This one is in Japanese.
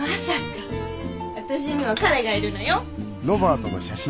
私には彼がいるのよ。